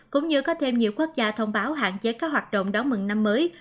cũng như có thêm nhiều quốc gia thông báo hạn chế các hoạt động đón mừng năm mới